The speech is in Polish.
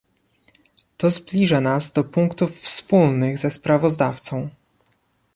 To zbliża nas do punktów wspólnych ze sprawozdawcą